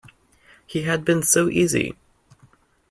He had been so easy.